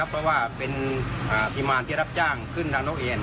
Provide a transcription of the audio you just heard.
เพราะว่าเป็นทีมมารที่รับจ้างขึ้นทางนกเอน